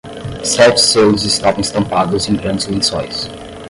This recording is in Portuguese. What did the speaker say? Sete selos estavam estampados em grandes lençóis.